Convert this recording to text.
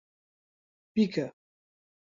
بیکە!